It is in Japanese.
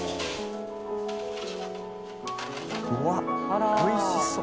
うわっおいしそう。